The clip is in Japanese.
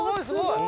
すごい。